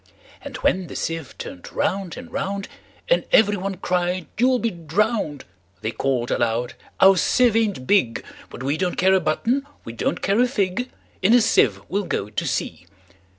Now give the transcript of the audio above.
And when the sieve turn'd round and round, And every one cried, "You 'll be drown'd!"They call'd aloud, "Our sieve ain't big:But we don't care a button; we don't care a fig:In a sieve we 'll go to sea!"